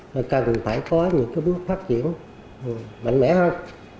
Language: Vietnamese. và cần phải có những cái bước phát triển mạnh mẽ hơn